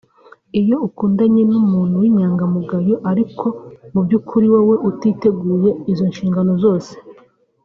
Iyo ukundanye n’umuntu w’inyangamugayo ariko mu by’ukuri wowe utiteguye izo nshingano zose